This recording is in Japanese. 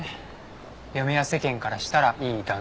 嫁や世間からしたらいい旦那に。